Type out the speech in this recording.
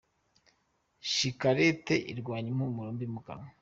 Shikarete irwanya impumuro mbi mu kanwa.